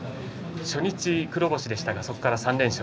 初日、黒星でしたがそこから３連勝。